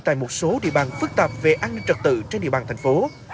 tại một số địa bàn phức tạp về an ninh trật tự trên địa bàn thành phố